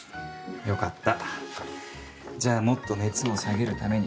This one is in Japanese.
よかったじゃあもっと熱を下げるために